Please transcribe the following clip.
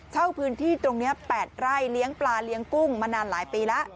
เช่าพื้นที่ตรงนี้๘ไร่เลี้ยงปลาเลี้ยงกุ้งมานานหลายปีแล้ว